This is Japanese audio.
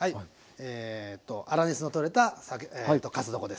えっと粗熱の取れたかす床です。